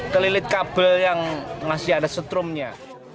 kelilit kabel yang masih ada setrumnya